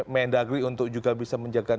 mendagri untuk juga bisa menjaga